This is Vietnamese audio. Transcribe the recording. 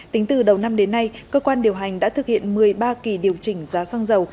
tính từ đầu năm đến nay cơ quan điều hành đã thực hiện một mươi ba kỳ điều chỉnh giá xăng dầu